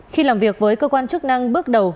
khi làm việc với cơ quan chức năng bước đầu